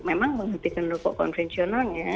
memang menghentikan rokok konvensionalnya